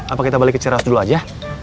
apa kita balik ke ciras dulu aja